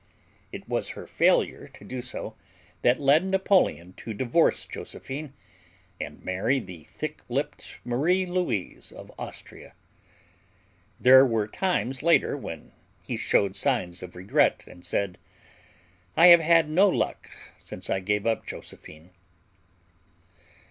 It was her failure to do so that led Napoleon to divorce Josephine and marry the thick lipped Marie Louise of Austria. There were times later when he showed signs of regret and said: "I have had no luck since I gave up Josephine!"